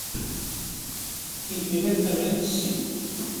Indirectament sí.